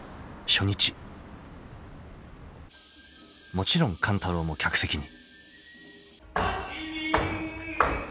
［もちろん勘太郎も客席に］